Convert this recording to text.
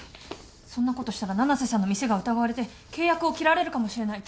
そんなことしたら七瀬さんの店が疑われて契約を切られるかもしれない。